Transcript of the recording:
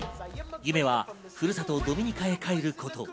夢は、ふるさとドミニカへ帰ること。